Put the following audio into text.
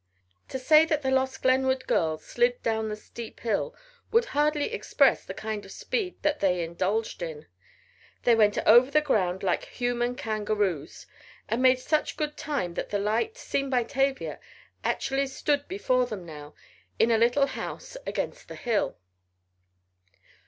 To say that the lost Glenwood girls slid down the steep hill would hardly express the kind of speed that they indulged in they went over the ground like human kangaroos, and made such good time that the light, seen by Tavia, actually stood before them now, in a little house against the hill.